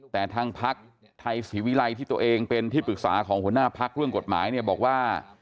แต่ทางพักไทยศรีวิรัยที่ตัวเองเป็นที่ปรึกษาของหัวหน้าพักเรื่องกฎหมายเนี่ยบอกว่า